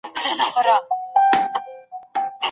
په جرمني کې یې د وطنپالنې په نوم ځان خلاص کړ.